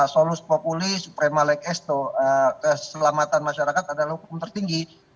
solus populi suprema legesto keselamatan masyarakat adalah hukum tertinggi